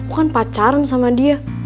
kan pacaran sama dia